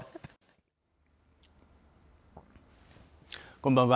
こんばんは。